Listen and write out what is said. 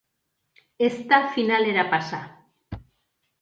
Ez da finalera pasa.